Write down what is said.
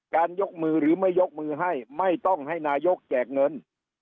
ยกมือหรือไม่ยกมือให้ไม่ต้องให้นายกแจกเงิน